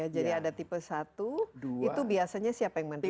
jadi ada tipe satu itu biasanya siapa yang menerita